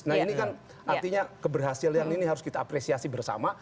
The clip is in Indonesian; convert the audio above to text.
nah ini kan artinya keberhasilan ini harus kita apresiasi bersama